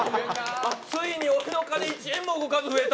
ついに俺の金１円も動かず増えた。